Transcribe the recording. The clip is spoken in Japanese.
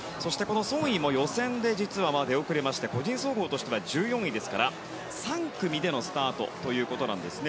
ソン・イも予選で出遅れまして個人総合としては１４位ですから３組でのスタートということなんですね。